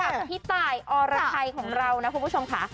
กับพี่ตายอรไทยของเรานะคุณผู้ชมค่ะ